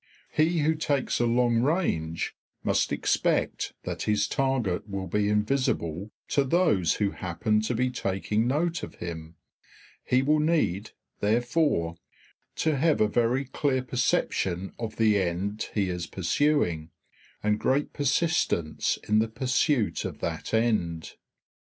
He who takes a long range must expect that his target will be invisible to those who happen to be taking note of him; he will need, therefore, to have a very clear perception of the end he is pursuing, and great persistence in the pursuit of that end.